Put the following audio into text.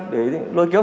để lôi kéo